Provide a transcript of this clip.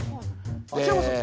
秋山さん